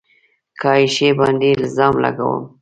که عایشې باندې الزام لګوم